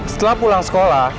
setelah pulang sekolah